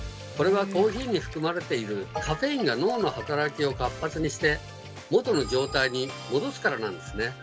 これはコーヒーに含まれているカフェインが脳の働きを活発にして元の状態に戻すからなんですね。